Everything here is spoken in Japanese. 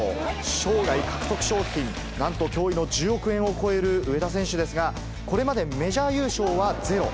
生涯獲得賞金、なんと驚異の１０億円を超える上田選手ですが、これまでメジャー優勝はゼロ。